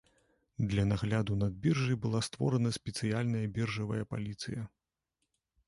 Для нагляду над біржай была створана спецыяльная біржавая паліцыя.